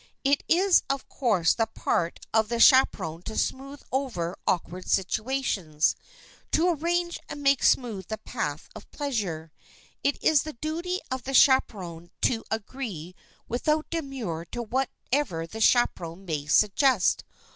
It is, of course, the part of the chaperon to smooth over awkward situations, to arrange and make smooth the path of pleasure. It is the duty of the chaperoned to agree without demur to whatever the chaperon may suggest.